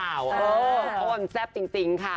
เพราะว่ามันแซ่บจริงค่ะ